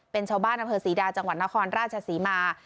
เป็นชาวบ้านอำเภอศรีดาจังหวัดนครราชศรีมา